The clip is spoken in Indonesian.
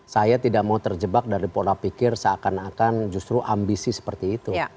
saya tidak mau terjebak dari pola pikir seakan akan justru ambisi seperti itu